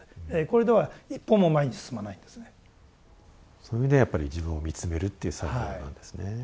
そういう意味ではやっぱり自分を見つめるっていう作業なんですね。